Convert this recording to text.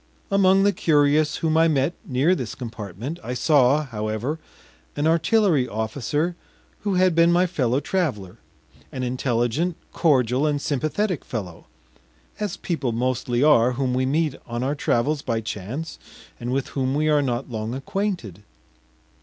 Among the curious whom I met near this compartment I saw, however, an artillery officer who had been my fellow traveler, an intelligent, cordial, and sympathetic fellow as people mostly are whom we meet on our travels by chance and with whom we are not long acquainted.